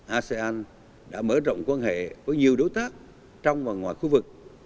asean đã mở rộng quan hệ với nhiều đối tác trong và ngoài khu vực